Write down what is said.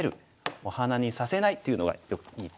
お花にさせないっていうのがいい手ですね。